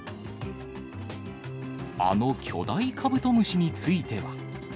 あの巨大カブトムシについては。